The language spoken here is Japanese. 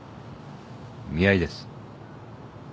見合いです。